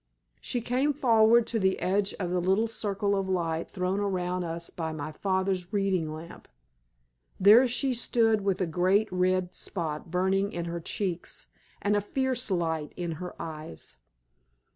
She came forward to the edge of the little circle of light thrown around us by my father's reading lamp. There she stood with a great red spot burning in her cheeks, and a fierce light in her eyes.